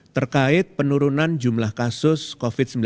terkait penurunan jumlah kasus covid sembilan belas di pulau jawa